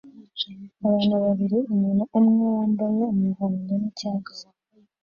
Abantu babiri umuntu umwe wambaye umuhondo nicyatsi